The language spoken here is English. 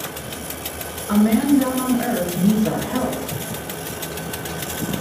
A man down on earth needs our help.